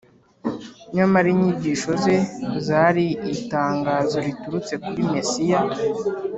. Nyamara inyigisho ze zari itangazo riturutse kuri Mesiya